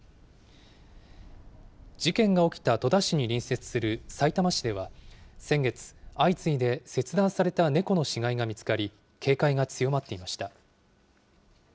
事件が起きた戸田市に隣接するさいたま市では、先月、相次いで切断された猫の死骸が見つかり、警戒が強まっていました。